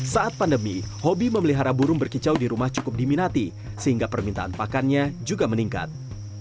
saat pandemi hobi memelihara burung berkicau di rumah cukup diminati sehingga permintaan pakannya juga meningkat